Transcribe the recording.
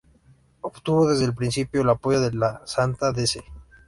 Obtuvo desde el principio el apoyo de la Santa Sede.